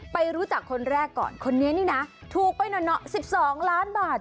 ไปรู้จักคนแรกก่อนคนนี้นี่นะถูกไป๑๒ล้านบาท